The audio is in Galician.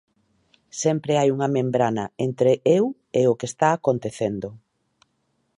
Sempre hai unha membrana entre eu e o que está acontecendo.